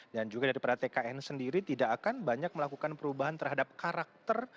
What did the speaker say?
dan juga daripada tkn sendiri tidak akan banyak melakukan perubahan terhadap karakter